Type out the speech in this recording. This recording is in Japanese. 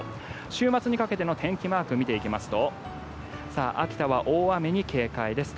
週末にかけての天気マークを見ていきますと秋田は大雨に警戒です。